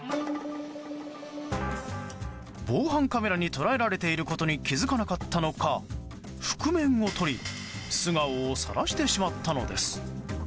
防犯カメラに捉えられていることに気づかなかったのか覆面を取り素顔をさらしてしまったのです。